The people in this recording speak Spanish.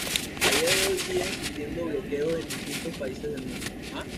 A día de hoy siguen existiendo bloqueos en distintos países del mundo.